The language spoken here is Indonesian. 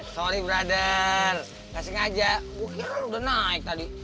sorry brother ngasih ngajak gue kira lo udah naik tadi